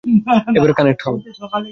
এবার কানেক্ট হও।